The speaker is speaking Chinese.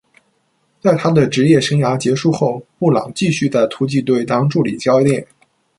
在他的职业生涯结束后，布朗继续在突击队当助理教练。